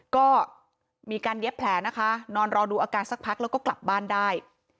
ก็มีการเย็บแผลนะคะนอนรอดูอาการสักพักแล้วก็กลับบ้านได้